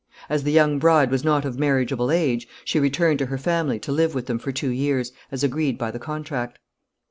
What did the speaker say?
As the young bride was not of marriageable age, she returned to her family to live with them for two years, as agreed by the contract.